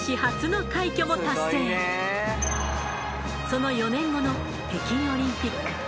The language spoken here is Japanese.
その４年後の北京オリンピック。